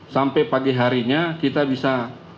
sampai pagi harinya kita bisa